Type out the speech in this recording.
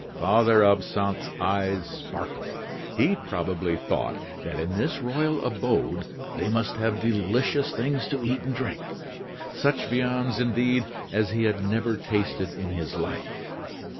Father Absinthe's eyes sparkled. He probably thought that in this royal abode they must have delicious things to eat and drink such viands, indeed, as he had never tasted in his life.